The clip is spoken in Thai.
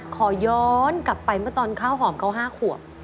ขอย้อนกลับไปเมื่อตอนข้าวหอมเขา๕ขวบ